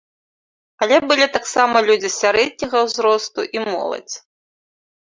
Але былі таксама людзі сярэдняга ўзросту і моладзь.